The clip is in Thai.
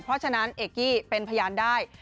เพราะฉะนั้นเอกกี้เป็นพยานได้